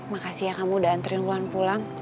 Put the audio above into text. makasih ya kamu udah anterin wulan pulang